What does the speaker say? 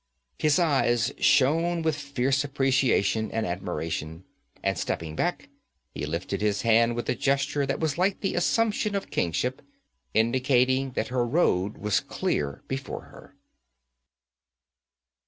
His eyes shone with fierce appreciation and admiration, and stepping back, he lifted his hand with a gesture that was like the assumption of kingship, indicating that her road was clear before her.